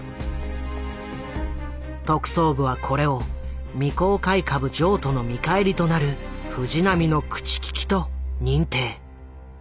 特捜部はこれを未公開株譲渡の見返りとなる藤波の口利きと認定。